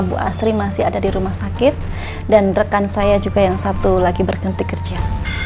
bu asri masih ada di rumah sakit dan rekan saya juga yang satu lagi berhenti kerja